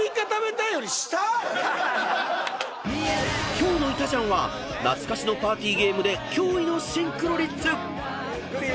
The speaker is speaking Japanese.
［今日の『いたジャン』は懐かしのパーティーゲームで驚異のシンクロ率］